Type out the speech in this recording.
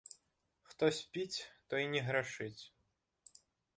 Хто спіць, той не грашыць.